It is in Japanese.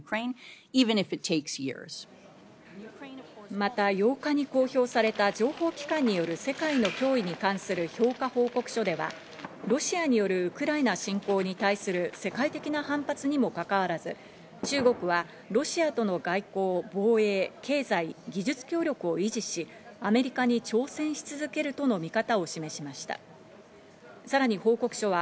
また、８日に公表された情報機関による世界の脅威に関する評価報告書では、ロシアによるウクライナ侵攻に対する世界的な反発にもかかわらず、中国はロシアとの外交、防衛、経済、技術協力を維持し、アメリカに挑戦し続けるとの見方を示しました。